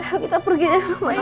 ayo kita pergi dari rumah ya